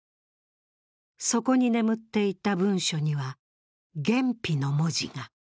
そこに眠っていた文書には「厳秘」の文字が。